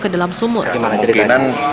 ke dalam sumur mungkinan